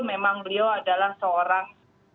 memang beliau adalah seorang